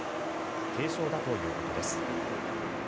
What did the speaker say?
軽傷だということです。